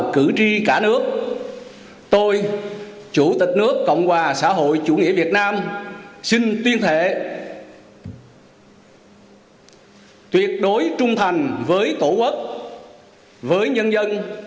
chủ tịch nước cộng hòa xã hội chủ nghĩa việt nam bằng hệ thống điện tử